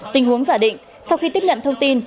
tình huống giả định sau khi tiếp nhận thông tin